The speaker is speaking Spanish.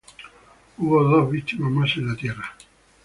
Hubo dos víctimas más en tierra.